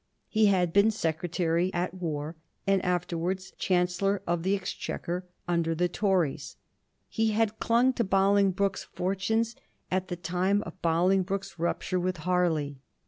He had been Secretary at War and afterwards Chancellor of the Exchequer under the Tories ; he had clung to Bolingbroke's fortunes at the time of Bolingbroke's rupture with Harley.